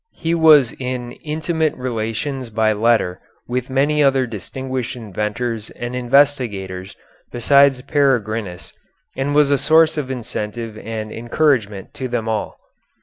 He was in intimate relations by letter with many other distinguished inventors and investigators besides Peregrinus and was a source of incentive and encouragement to them all.